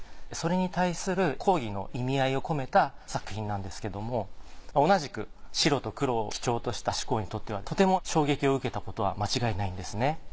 それに対する抗議の意味合いを込めた作品なんですけども同じく白と黒を基調とした志功にとってはとても衝撃を受けたことは間違いないんですね。